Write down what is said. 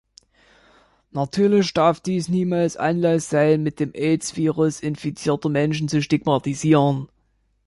Natürlich darf dies niemals Anlass sein, mit dem Aids-Virus infizierte Menschen zu stigmatisieren.